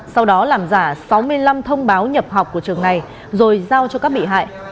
sau đó làm giả sáu mươi năm thông báo nhập học của trường này rồi giao cho các bị hại